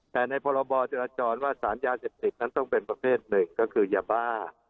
แต่ในพรบจราจรว่าสารยาเสพติดนั้นต้องเป็นประเภทหนึ่งก็คือยาบ้า